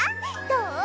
どう？